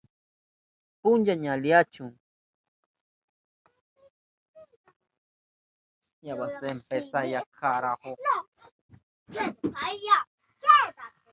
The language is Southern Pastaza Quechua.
Puncha ña aliyahun.